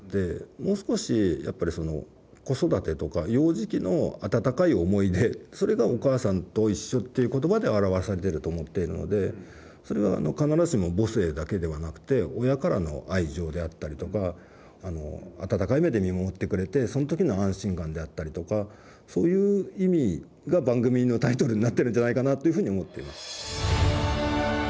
もう少しやっぱりその子育てとか幼児期の温かい思い出それが「おかあさんといっしょ」っていう言葉で表されていると思っているのでそれは必ずしも母性だけではなくて親からの愛情であったりとか温かい目で見守ってくれてその時の安心感であったりとかそういう意味が番組のタイトルになってるんじゃないかなっていうふうに思っています。